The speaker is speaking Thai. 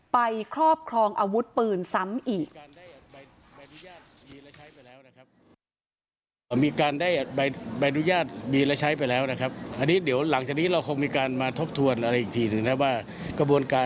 ครอบครองอาวุธปืนซ้ำอีก